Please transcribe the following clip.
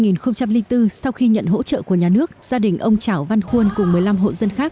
năm hai nghìn bốn sau khi nhận hỗ trợ của nhà nước gia đình ông trảo văn khuôn cùng một mươi năm hộ dân khác